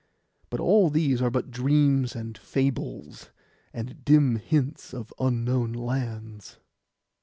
But all these are but dreams and fables, and dim hints of unknown lands.